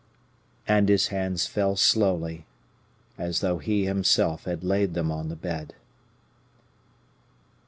And his hands fell slowly, as though he himself had laid them on the bed.